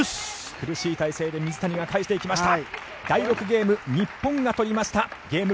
苦しい体勢で水谷が返していきました。